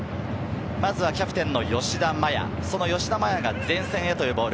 まずはキャプテンの吉田麻也、その吉田麻也が前線へというボール。